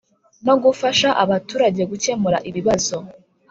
No gufasha abaturage gukemura ibibazo